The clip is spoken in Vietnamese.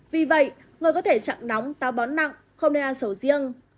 vì vậy người có thể chẳng nóng tao bón nặng không nên ăn sầu riêng